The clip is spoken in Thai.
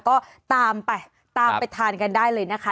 ก็ตามไปตามไปทานกันได้เลยนะคะ